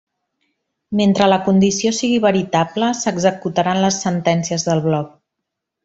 Mentre la condició sigui veritable, s'executaran les sentències del bloc.